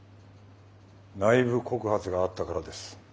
内部告発があったからです。